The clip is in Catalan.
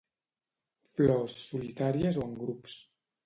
Flors solitàries o en grups.